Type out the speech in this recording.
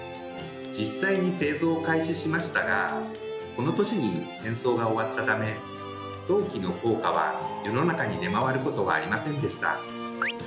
実際に製造を開始しましたがこの年に戦争が終わったため陶器の硬貨は世の中に出回ることはありませんでした。